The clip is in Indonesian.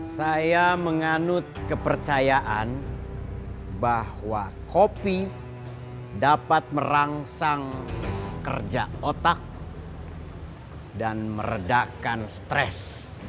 saya menganut kepercayaan bahwa kopi dapat merangsang kerja otak dan meredakan stres